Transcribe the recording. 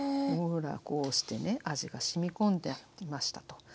ほらこうしてね味がしみ込んできましたと。